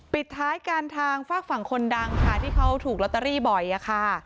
ปิดท้ายกันทางฝากฝั่งคนดังค่ะที่เขาถูกลอตเตอรี่บ่อยค่ะ